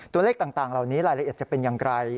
ตัวเลขต่างเหล่านี้รายละเอียดจะเป็นอย่างไร